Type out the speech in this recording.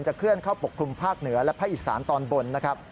จะขึ้นเข้าปกคลุมภาคเหนือและพระอิสสาธารณ์ตอนบนนะครับ